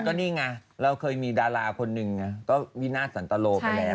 ก็นี่ไงเราเคยมีดาราคนหนึ่งก็วินาทสันตโลไปแล้ว